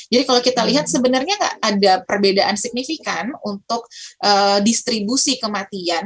jadi kalau kita lihat sebenarnya nggak ada perbedaan signifikan untuk distribusi kematian